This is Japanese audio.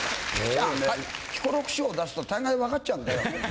彦六師匠を出すと大概分かっちゃうんだよ。